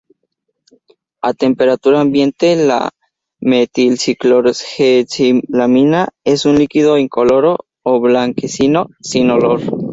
A temperatura ambiente, la "N"-metilciclohexilamina es un líquido incoloro o blanquecino sin olor.